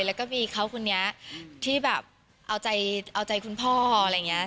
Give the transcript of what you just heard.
แล้วก็มีเขาคนนี้ที่แบบเอาใจคุณพ่ออะไรอย่างนี้